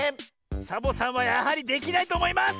サボさんはやはりできないとおもいます！